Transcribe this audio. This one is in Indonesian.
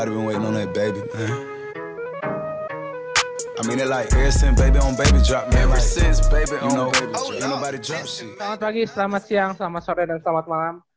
selamat pagi selamat siang selamat sore dan selamat malam